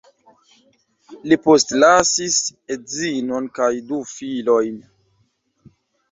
Li postlasis edzinon kaj du filojn.